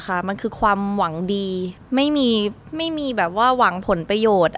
ค่ะมันคือความหวังดีไม่มีไม่มีแบบว่าหวังผลประโยชน์